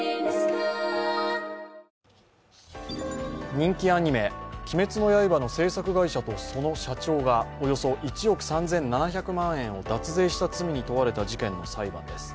人気アニメ「鬼滅の刃」の制作会社とその社長がおよそ１億３７００万円を脱税した罪に問われた事件の裁判です。